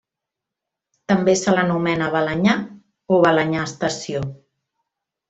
També se l'anomena Balenyà o Balenyà Estació.